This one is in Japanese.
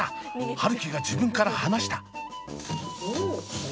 春輝が自分から離した！